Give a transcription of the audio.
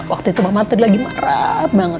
waktu itu mama tuh lagi marah banget